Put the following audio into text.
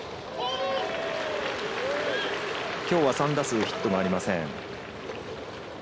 きょうは３打数ヒットはありません。